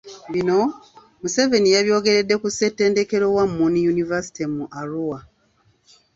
Bino, Museveni yabyogeredde ku ssettendekero wa Muni University mu Arua.